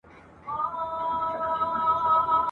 ته چي کیسه کوې جانانه پر ما ښه لګیږي !.